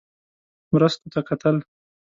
مرستو ته کتل.